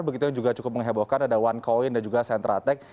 begitu juga cukup menghebohkan ada onecoin dan juga centratec